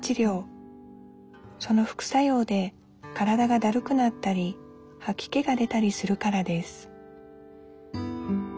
その副作用で体がだるくなったりはき気が出たりするからです